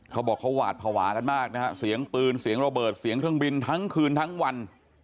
เขาบอกเขาหวาดภาวะกันมากนะฮะเสียงปืนเสียงระเบิดเสียงเครื่องบินทั้งคืนทั้งวัน